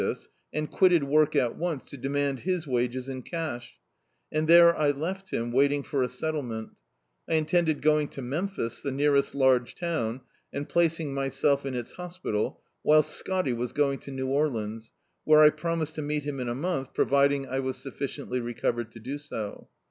db, Google The Autobiography of a Super Tramp and quitted work at once to demand his wages in cash, and there I left him, waiting for a settle meat I intended going to Memphis, the nearest large town, and placing myself in its hospital, whilst Scotty was going to New Orleans, where I promised to meet him in a month, providing I was sufficiently recovered to do so.